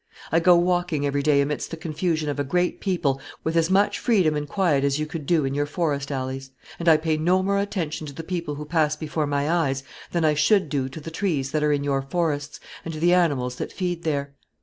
I go walking every day amidst the confusion of a great people with as much freedom and quiet as you could do in your forest alleys, and I pay no more attention to the people who pass before my eyes than I should do to the trees that are in your forests and to the animals that feed there.